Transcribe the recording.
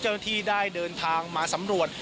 เจ้าหน้าที่ได้เดินทางมาสำรวจ